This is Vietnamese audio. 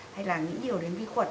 hay là nghĩ nhiều đến vi khuẩn